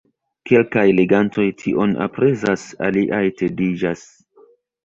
Kelkaj legantoj tion aprezas, aliaj tediĝas.